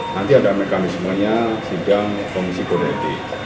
nanti ada mekanismenya sidang komisi kode etik